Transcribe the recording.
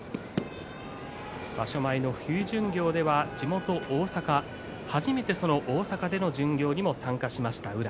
場所前の冬巡業では、地元大阪初めて大阪での巡業にも参加しました、宇良。